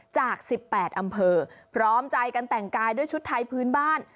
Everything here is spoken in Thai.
จาก๑๘อำเภอพร้อมใจกันแต่งกายด้วยชุดไทยพื้นบ้าน